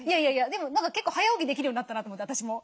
でも結構早起きできるようになったなと思って私も。